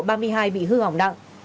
bị hư hỏng đặng